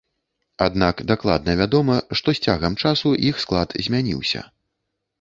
Аднак дакладна вядома, што з цягам часу іх склад змяніўся.